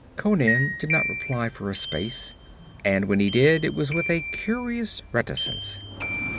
Conan did not reply for a space, and when he did it was with a curious reticence.